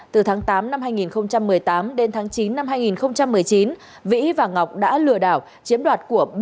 từ tháng tám năm hai nghìn một mươi tám đến tháng chín năm hai nghìn một mươi chín vĩ và ngọc đã lừa đảo chiếm đoạt